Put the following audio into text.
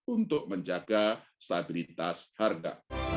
untuk menjaga stabilitas harga